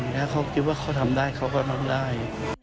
แล้วเขาคิดว่าเขาทำได้เขาก็ทำได้